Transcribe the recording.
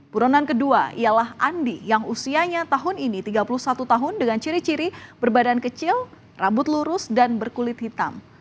buronan kedua ialah andi yang usianya tahun ini tiga puluh satu tahun dengan ciri ciri berbadan kecil rambut lurus dan berkulit hitam